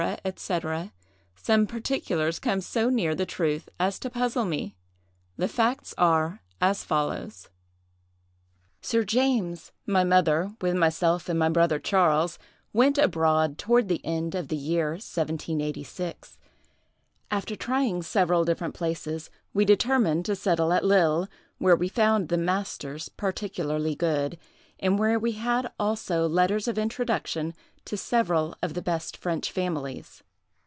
&c., some particulars come so near the truth as to puzzle me. The facts are as follows:— "Sir James, my mother, with myself and my brother Charles, went abroad toward the end of the year 1786. After trying several different places, we determined to settle at Lille, where we found the masters particularly good, and where we had also letters of introduction to several of the best French families.